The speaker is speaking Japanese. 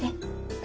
え？